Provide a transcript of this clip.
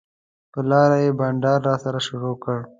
پر لاره یې بنډار راسره شروع کړ.